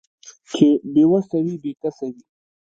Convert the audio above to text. چې بې وسه وي بې کسه وي